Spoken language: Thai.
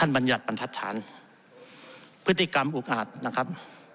พฤติกรรมอุกอาจนะครับ